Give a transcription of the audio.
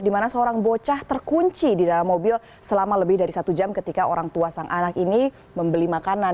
di mana seorang bocah terkunci di dalam mobil selama lebih dari satu jam ketika orang tua sang anak ini membeli makanan